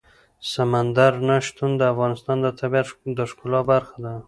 سمندر نه شتون د افغانستان د طبیعت د ښکلا برخه ده.